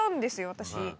私。